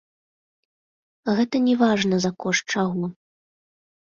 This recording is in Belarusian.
Гэта не важна, за кошт чаго.